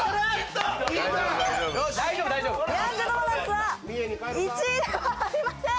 ヤングドーナツは１位ではありません！